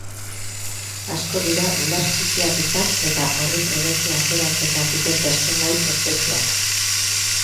Asko dira bular txikiak izan eta horri probetxua ateratzen dakiten pertsonai ospetsuak.